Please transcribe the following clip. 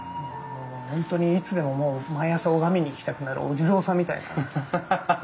本当にいつでももう毎朝拝みに行きたくなるお地蔵さんみたいなそんな存在でした。